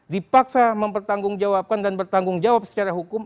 dipaksa mempertanggungjawabkan dan bertanggung jawab secara hukum